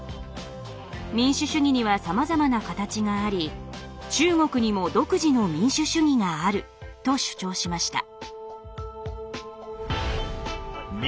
民主主義にはさまざまな形があり中国にも独自の民主主義があると主張しました。